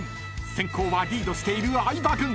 先攻はリードしている相葉軍］